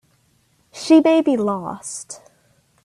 She may be lost.